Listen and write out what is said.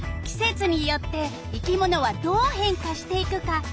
季節によって生き物はどう変化していくか。